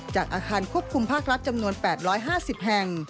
อาคารควบคุมภาครัฐจำนวน๘๕๐แห่ง